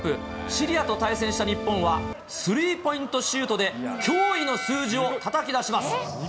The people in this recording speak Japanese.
シリアと対戦した日本は、スリーポイントシュートで、驚異の数字をたたき出します。